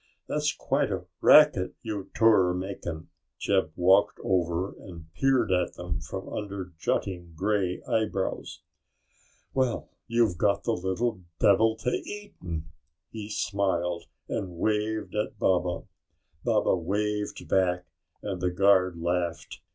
"That's quite a racket you two're making." Jeb walked over and peered at them from under jutting grey eyebrows. "Well, you've got the little devil to eatin'!" He smiled and waved at Baba. Baba waved back and the guard laughed.